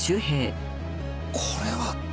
これは。